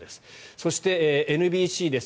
そしてＮＢＣです。